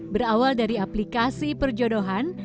berawal dari aplikasi perjodohan